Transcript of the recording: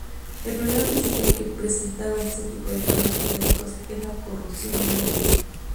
El problema principal que presentaban este tipo de faros metálicos es la corrosión marina.